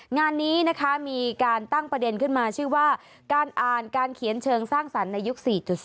งานนี้นะคะมีการตั้งประเด็นขึ้นมาชื่อว่าการอ่านการเขียนเชิงสร้างสรรค์ในยุค๔๐